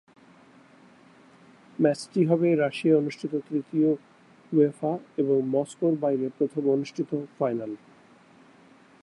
ম্যাচটি হবে রাশিয়ায় অনুষ্ঠিত তৃতীয় উয়েফা এবং মস্কোর বাইরে প্রথম অনুষ্ঠিত ফাইনাল।